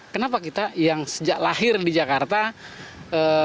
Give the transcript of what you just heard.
kenapa kita yang sejak lahir di negara ini kita tidak bisa tinggal di rumah susun